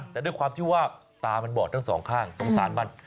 แต่ด้วยความที่ว่าตามันบอดทั้งสองข้างตรงสารมัน